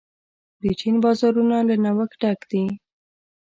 د چین بازارونه له نوښت ډک دي.